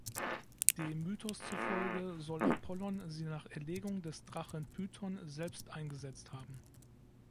Dem Mythos zufolge soll Apollon sie nach Erlegung des Drachen Python selbst eingesetzt haben.